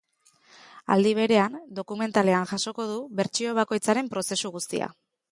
Aldi berean, dokumentalean jasoko du bertsio bakoitzaren prozesu guztia.